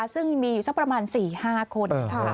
ซึ่งมีอยู่สักประมาณ๔๕คน